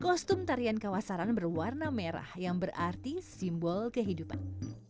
kostum tarian kawasaran berwarna merah yang berarti simbol kehidupan